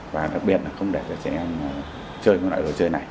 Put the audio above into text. và đặc biệt là không để cho trẻ em chơi những loại đồ chơi này